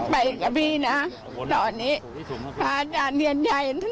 ไปกับพี่นะตอนนี้พระอาจารย์เรียนใหญ่